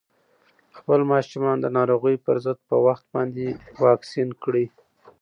خپل ماشومان د ناروغیو پر ضد په وخت باندې واکسین کړئ.